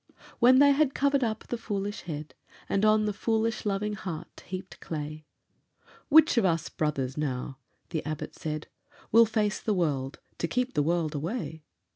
When they had covered up the foolish head, And on the foolish loving heart heaped clay, "Which of us, brothers, now," the Abbot said, "Will face the world, to keep the world away?"